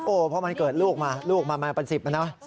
โอ้โฮเพราะมันเกิดลูกมาลูกมาปันสิบนะ